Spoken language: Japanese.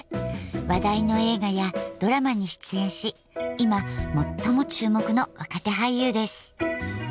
話題の映画やドラマに出演し今最も注目の若手俳優です。